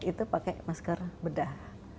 itu pakai masker bedah